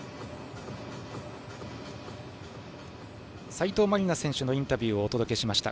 斉藤真理菜選手のインタビューをお届けしました。